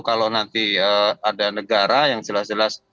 kalau nanti ada negara yang jelas jelas